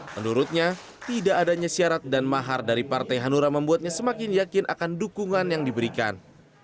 menurutnya tidak adanya syarat dan mahar dari partai hanura membuatnya semakin yakin akan dukungan yang diberikan